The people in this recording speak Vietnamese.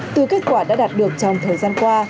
từ kết quả đã đạt được trong thời gian qua